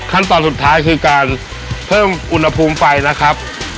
ขั้นตอนสุดท้ายคือการเพิ่มอุณหภูมิไปนะครับ